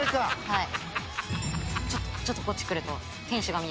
はい。